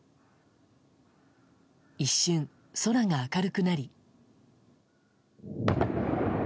一瞬、空が明るくなり。